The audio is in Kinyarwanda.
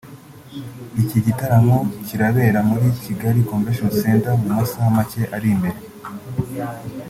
Iki gitaramo kirabera muri Kigali Convention Center mu masaha macye ari imbere